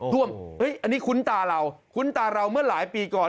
ท่วมอันนี้คุ้นตาเราเหมือนหลายปีก่อน